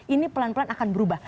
ini pelan pelan akan berubah